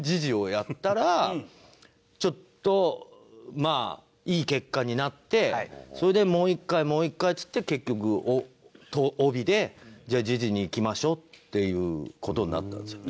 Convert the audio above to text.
ちょっとまあいい結果になってそれでもう１回もう１回っつって結局帯でじゃあ時事にいきましょうっていう事になったんですよね。